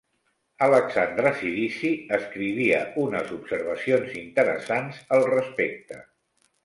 Alexandre Cirici escrivia unes observacions interessants al respecte.